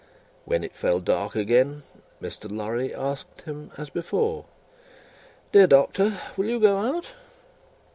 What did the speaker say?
When it fell dark again, Mr. Lorry asked him as before: "Dear Doctor, will you go out?"